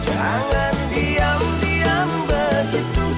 jangan diam diam begitu